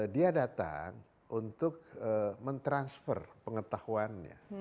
dia datang untuk mentransfer pengetahuannya